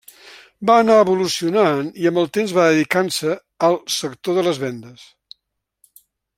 Va anar evolucionant i amb el temps va dedicant-se al sector de les vendes.